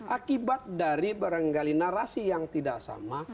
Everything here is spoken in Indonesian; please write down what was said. akibat dari berenggali narasi yang tidak sama